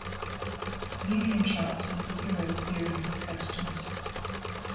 Medium shots of the hero clearing customs.